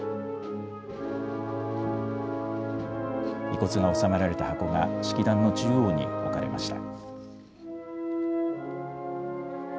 遺骨が納められた箱が式壇の中央に置かれました。